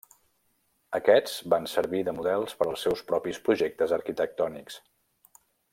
Aquests van servir de models per als seus propis projectes arquitectònics.